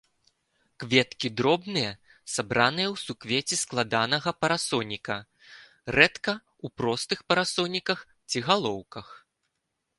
Кветкі дробныя, сабраныя ў суквецці складанага парасоніка, рэдка ў простых парасоніках ці галоўках.